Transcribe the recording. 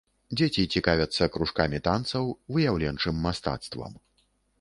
Дзеці цікавяцца кружкамі танцаў, выяўленчым мастацтвам.